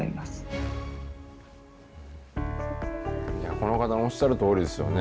この方のおっしゃるとおりですよね。